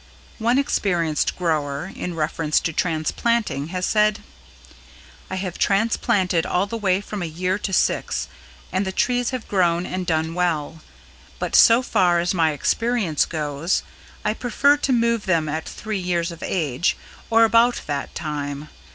One experienced grower, in reference to transplanting has said: "I have transplanted all the way from a year to six and the trees have grown and done well, but so far as my experience goes, I prefer to move them at three years of age or about that time.